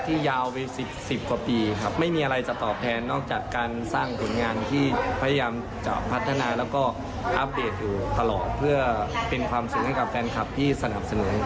ยาวไป๑๐กว่าปีครับไม่มีอะไรจะตอบแทนนอกจากการสร้างผลงานที่พยายามจะพัฒนาแล้วก็อัปเดตอยู่ตลอดเพื่อเป็นความสุขให้กับแฟนคลับที่สนับสนุน